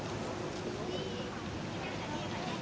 สวัสดีครับทุกคน